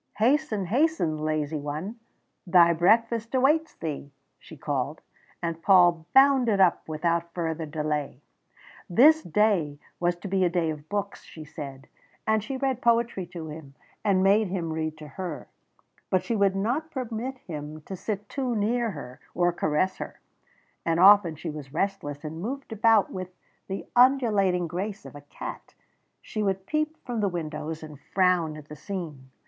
"Hasten, hasten, lazy one. Thy breakfast awaits thee," she called, and Paul bounded up without further delay. This day was to be a day of books, she said, and she read poetry to him, and made him read to her but she would not permit him to sit too near her, or caress her and often she was restless and moved about with the undulating grace of a cat. She would peep from the windows, and frown at the scene.